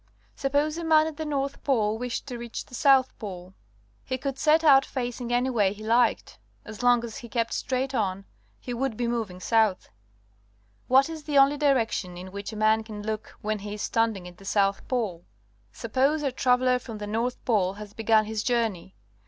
Suppose a man at the north pole wished to reach the south pole. He could set out facing any way he liked. As long as he kept straight on, he THE EAKTH AS A WHOLE 33 would be moving south. \Miat is the only direction in which a man can look when he is standing at the south pole? Suppose our traveller from the north pole has begun his journey.